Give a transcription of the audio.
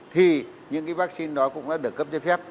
thì những cái vaccine đó cũng đã được cấp giấy phép